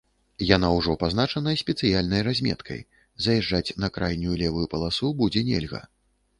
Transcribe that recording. Яна ўжо пазначана спецыяльнай разметкай, заязджаць на крайнюю левую паласу будзе нельга.